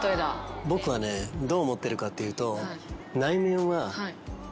僕はねどう思ってるかっていうと。